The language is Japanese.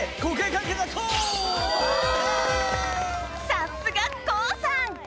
さっすがＫＯＯさん！